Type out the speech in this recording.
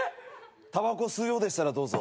たばこ吸うようでしたらどうぞ。